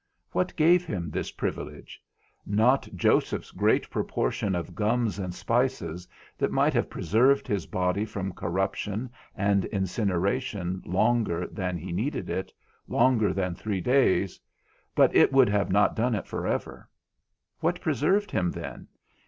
What gave him this privilege? Not Joseph's great proportion of gums and spices, that might have preserved his body from corruption and incineration longer than he needed it, longer than three days, but it would not have done it for ever. What preserved him then?